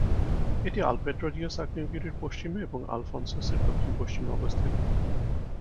এটি আলপেট্রাজিয়াস আগ্নেয়গিরির পশ্চিমে এবং আলফন্সাসের দক্ষিণ-পশ্চিমে অবস্থিত।